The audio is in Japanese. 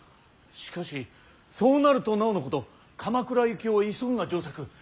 しかしそうなるとなおのこと鎌倉行きを急ぐが上策。